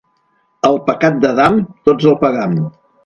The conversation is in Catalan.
El pecat d'Adam tots el pagam.